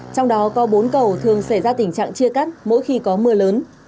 trong đó có bốn cầu thường xảy ra tình trạng chia cắt mỗi khi có mưa lớn